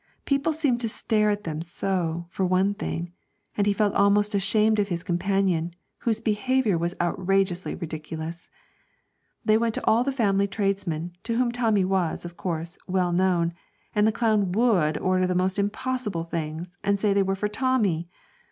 People seemed to stare at them so, for one thing, and he felt almost ashamed of his companion, whose behaviour was outrageously ridiculous. They went to all the family tradesmen, to whom Tommy was, of course, well known, and the clown would order the most impossible things, and say they were for Tommy!